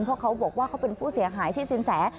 เพราะเขาบอกว่าเขาเป็นผู้เสียหายที่สินแส